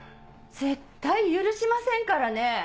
絶対許しませんからね！